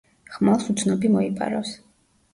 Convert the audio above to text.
ხმალს უცნობი მოიპარავს.